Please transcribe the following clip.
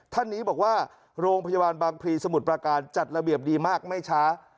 ท่านนี้บอกว่าโรงพยาบาลบางพลีสมุทรประการจัดระเบียบดีมากไม่ช้า